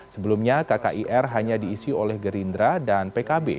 sebelumnya kkir hanya diisi oleh gerindra dan pkb